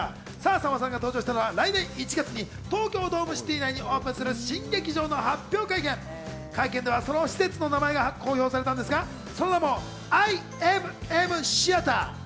さんまさんが登場したのは来年１月に東京ドームシティ内にオープンする新劇場の発表会で、会見ではその施設の名前が公表されたんですが、その名もＩＭＭＴＨＥＡＴＥＲ。